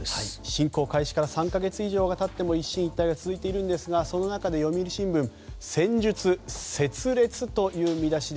侵攻開始から３か月以上が経っても一進一退が続いていますがその中で読売新聞戦術拙劣という見出し。